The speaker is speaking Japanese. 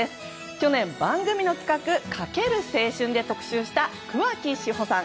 去年、番組の企画カケル青春で特集した桑木志帆さん。